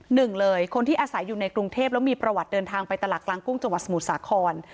หนึ่งเลยคนที่อาศัยอยู่ในกรุงเทพแล้วมีประวัติเดินทางไปตลาดกลางกุ้งจังหวัดสมุทรสาคร